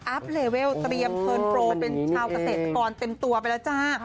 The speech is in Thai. เลเวลเตรียมเทินโปรเป็นชาวเกษตรกรเต็มตัวไปแล้วจ้า